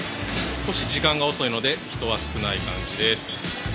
少し時間が遅いので人は少ない感じです。